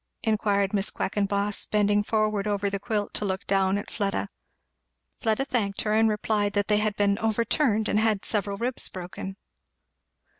inquired Miss Quackenboss, bending forward over the quilt to look down to Fleda. Fleda thanked her, and replied that they had been overturned and had several ribs broken.